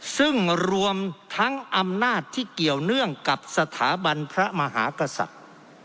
ซึ่งรวมทั้งอำนาจที่เกี่ยวเนื่องกับสถาบันพระมหากษัตริย์